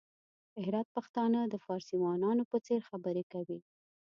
د هرات پښتانه د فارسيوانانو په څېر خبري کوي!